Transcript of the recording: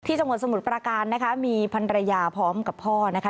จังหวัดสมุทรประการนะคะมีพันรยาพร้อมกับพ่อนะคะ